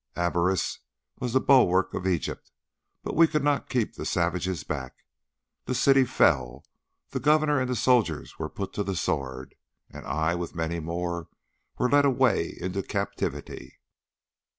Abaris was the bulwark of Egypt, but we could not keep the savages back. The city fell. The Governor and the soldiers were put to the sword, and I, with many more, was led away into captivity.